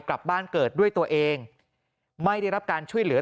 กลับบ้านเกิดด้วยตัวเองไม่ได้รับการช่วยเหลือ